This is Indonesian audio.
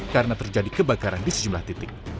karena terjadi kebakaran di sejumlah titik